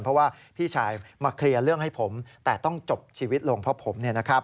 เพราะว่าพี่ชายมาเคลียร์เรื่องให้ผมแต่ต้องจบชีวิตลงเพราะผม